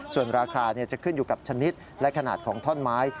ส่วนราคาจะขึ้นอยู่กับชนิดและขนาดของท่อนไม้